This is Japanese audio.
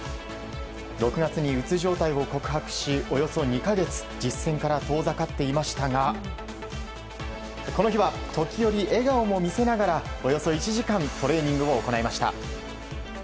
６月にうつ状態を告白しおよそ２か月実戦から遠ざかっていましたがこの日は時折、笑顔を見せながらおよそ１時間トレーニングを行いました。